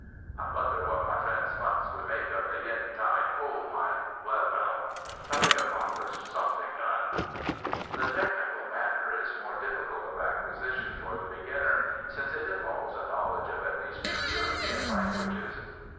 I wonder what my friend Smuts would make of the Yen tai coal mine? Well, well. "Something accomplished, something done." The technical manner is more difficult of acquisition for the beginner, since it involves a knowledge of at least two European languages.